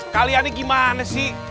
kalian ini gimana sih